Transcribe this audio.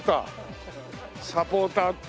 サポーター。